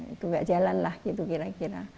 itu gak jalan lagi